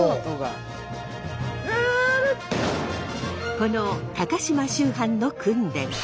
この高島秋帆の訓練。